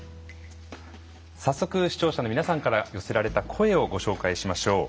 早速視聴者の皆さんから寄せられた声をご紹介しましょう。